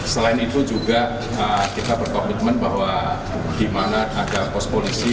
selain itu juga kita berkomitmen bahwa di mana ada pos polisi